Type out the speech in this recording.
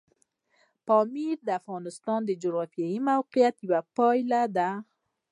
پامیر د افغانستان د جغرافیایي موقیعت یوه پایله ده.